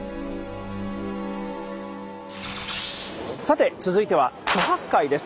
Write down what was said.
さて続いては猪八戒です。